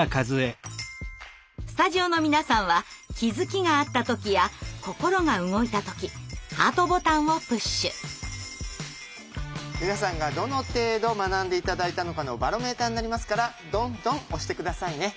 スタジオの皆さんは皆さんがどの程度学んで頂いたのかのバロメーターになりますからどんどん押して下さいね。